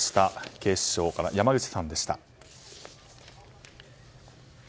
警視庁から山口さんでした。